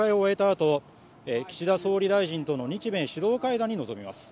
あと岸田総理大臣との日米首脳会談に臨みます。